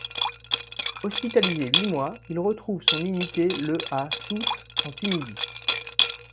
Hospitalisé huit mois, il retrouve son unité le à Sousse, en Tunisie.